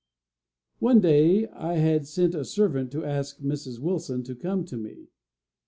One day I had sent a servant to ask Mrs. Wilson to come to me.